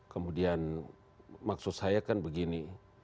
kemudian maksud saya kan begini